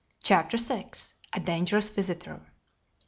CHAPTER VI. A DANGEROUS VISITOR.